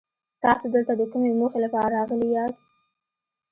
تاسو دلته د کومې موخې لپاره راغلي ياست؟